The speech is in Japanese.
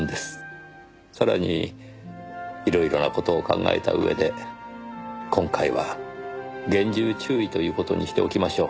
さらに色々な事を考えた上で今回は厳重注意という事にしておきましょう。